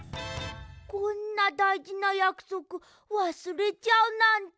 こんなだいじなやくそくわすれちゃうなんて。